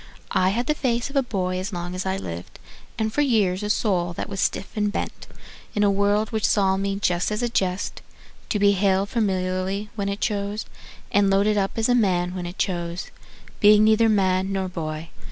I had the face of a boy as long as I lived, And for years a soul that was stiff and bent, In a world which saw me just as a jest, To be hailed familiarly when it chose, And loaded up as a man when it chose, Being neither man nor boy.